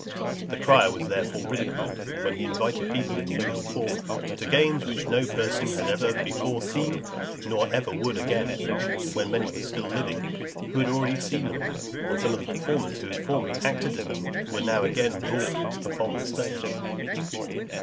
The crier was therefore ridiculed, when he invited people in the usual form, "to games which no person had ever before seen, nor ever would again;" when many were still living who had already seen them; and some of the performers who had formerly acted in them, were now again brought upon the stage.